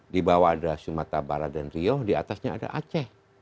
di bawah ada sumatera barat dan rio di atasnya ada aceh